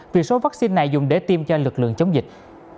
vì số vaccine này dùng để tiêm cho lực lượng chống dịch